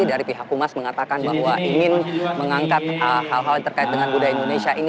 dari pihak humas mengatakan bahwa ingin mengangkat hal hal yang terkait dengan budaya indonesia ini